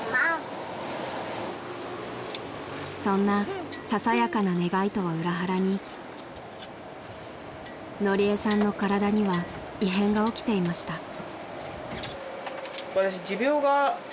［そんなささやかな願いとは裏腹にのりえさんの体には異変が起きていました］